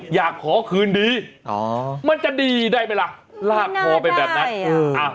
อยากขอคืนดีอ๋อมันจะดีได้ไหมล่ะลากคอไปแบบนั้น